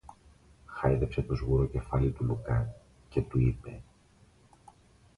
Χάιδεψε το σγουρό κεφάλι του Λουκά και του είπε: